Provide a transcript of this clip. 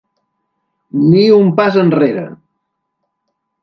Ni un pas enrere!